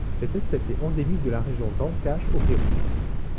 Cette espèce est endémique de la région d'Ancash au Pérou.